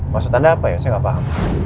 maksud anda apa ya saya nggak paham